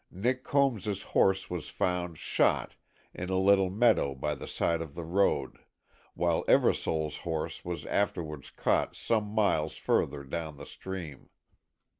Nick Combs' horse was found, shot, in a little meadow by the side of the road, while Eversole's horse was afterwards caught some miles further down the stream.